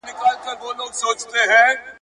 ښکاري زرکه هم په نورو پسي ولاړه `